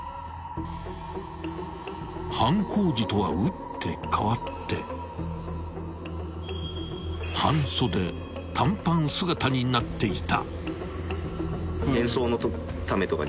［犯行時とは打って変わって半袖短パン姿になっていた］